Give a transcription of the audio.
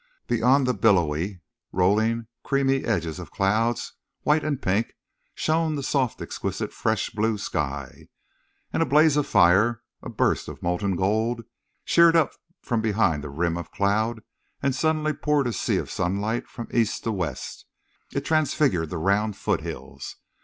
Beyond the billowy, rolling, creamy edges of clouds, white and pink, shone the soft exquisite fresh blue sky. And a blaze of fire, a burst of molten gold, sheered up from behind the rim of cloud and suddenly poured a sea of sunlight from east to west. It transfigured the round foothills.